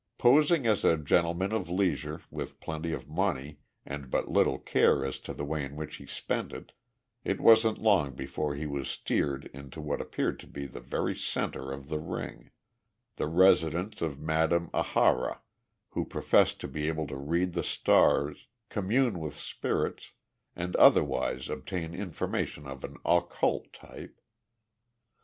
Posing as a gentleman of leisure with plenty of money and but little care as to the way in which he spent it, it wasn't long before he was steered into what appeared to be the very center of the ring the residence of a Madame Ahara, who professed to be able to read the stars, commune with spirits, and otherwise obtain information of an occult type.